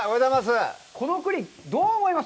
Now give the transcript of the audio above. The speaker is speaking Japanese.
この栗、どう思います？